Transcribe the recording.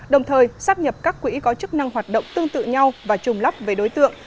đồng thời sắp nhập các quỹ có chức năng hoạt động tương tự nhau và trùng lắp về đối tượng